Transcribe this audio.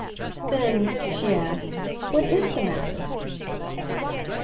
"Then," she asked, "what IS the matter?"